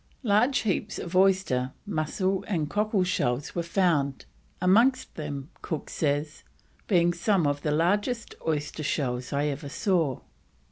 Large heaps of oyster, mussel, and cockle shells were found, amongst them, says Cook, "being some of the largest oyster shells I ever saw."